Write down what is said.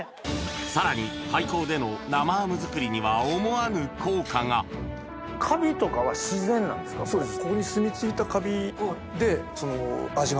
さらに廃校での生ハム作りには思わぬ効果がそうです。